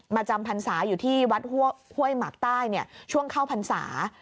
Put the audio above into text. จำพรรษาอยู่ที่วัดห้วยหมากใต้ช่วงเข้าพรรษา